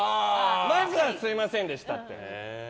まずは、すみませんでしたって。